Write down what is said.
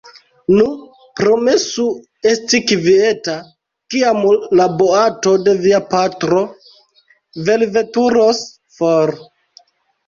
Nu, promesu esti kvieta, kiam la boato de via patro velveturos for.